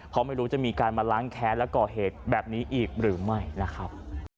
เพราะไม่รู้จะมีการมาล้างแค้นและก่อเหตุแบบนี้อีกหรือไม่นะครับ